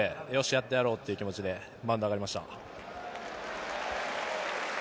やってやろう！という気持ちてマウンドに上がりました。